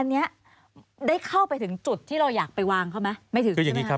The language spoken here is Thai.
อันนี้ได้เข้าไปถึงจุดที่เราอยากไปวางเขาไหม